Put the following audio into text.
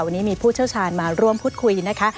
วันนี้มีผู้เชี่ยวชาญมาร่วมพูดคุยนะคะ